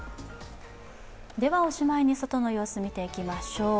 ではおしまいに外の様子、見ていきましょう。